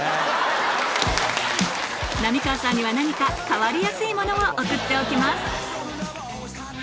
浪川さんには何か変わりやすいものを送っておきます